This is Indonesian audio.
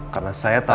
karena saya tahu